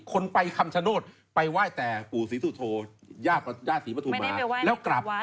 คนไปคำชโนตไปไหว้แต่ปู่สิริสุทธโธญาติสิริมธุมาแล้วกลับ